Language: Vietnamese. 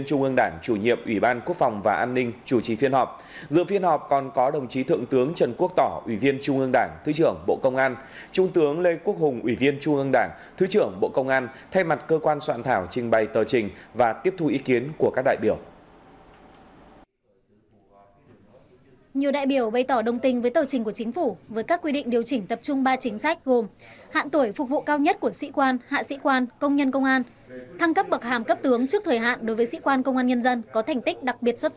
cơ quan soạn thảo sẽ nghiêm túc tiếp thu ý kiến đóng góp của các đại biểu